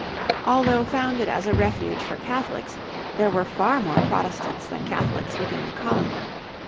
Although founded as a refuge for Catholics there were far more Protestants than Catholics within the colony.